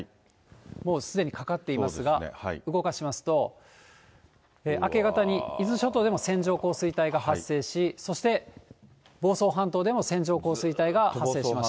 もうすでにかかっていますが、動かしますと、明け方に伊豆諸島でも線状降水帯が発生し、そして房総半島でも線状降水帯が発生しました。